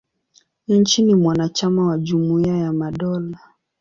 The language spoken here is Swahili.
Nchi ni mwanachama wa Jumuia ya Madola.